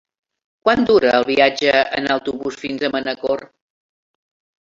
Quant dura el viatge en autobús fins a Manacor?